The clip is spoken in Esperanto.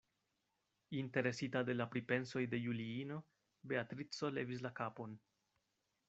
Interesita de la pripensoj de Juliino, Beatrico levis la kapon.